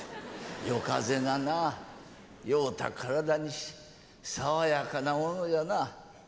夜風がな酔うた体に爽やかなものじゃなあ。